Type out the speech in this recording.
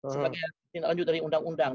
sebagai yang kita lanjutkan dari undang undang